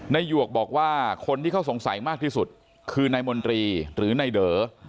หยวกบอกว่าคนที่เขาสงสัยมากที่สุดคือนายมนตรีหรือนายเด๋อ